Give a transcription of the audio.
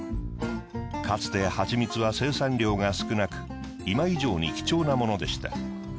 かつて蜂蜜は生産量が少なく今以上に貴重なものでした。